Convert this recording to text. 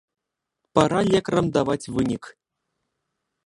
Пара лекарам даваць вынік.